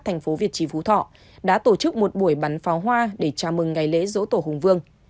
thành phố việt trì phú thọ đã tổ chức một buổi bắn pháo hoa để chào mừng ngày lễ dỗ tổ hùng vương